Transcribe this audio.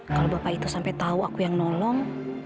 kalau bapak itu sampai tahu aku yang nolong